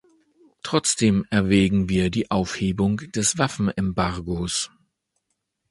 Trotzdem erwägen wir die Aufhebung des Waffenembargos.